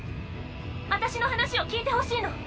私の話を聞いてほしいの。